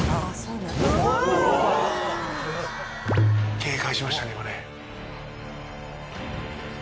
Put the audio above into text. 警戒しましたね今ね。